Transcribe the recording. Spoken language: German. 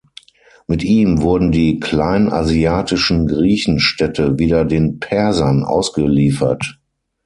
Mit ihm wurden die kleinasiatischen Griechenstädte wieder den Persern ausgeliefert.